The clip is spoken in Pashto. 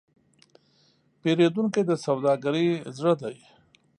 پیرودونکی د سوداګرۍ زړه دی.